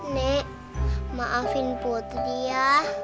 nek maafin putri ya